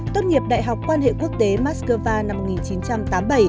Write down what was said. tốt nghiệp đại học quan hệ quốc tế moscow năm một nghìn chín trăm tám mươi bảy